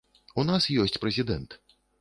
У нас ёсць прэзідэнт.